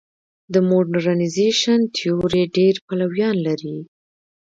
د موډرنیزېشن تیوري ډېر پلویان لري.